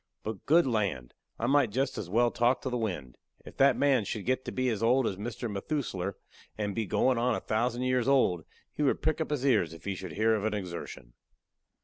But good land! I might jest as well talk to the wind! If that man should get to be as old as Mr. Methusler, and be goin' on a thousand years old, he would prick up his ears if he should hear of a exertion.